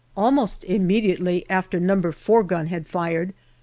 Almost immediately after No. 4 gun had fired, No.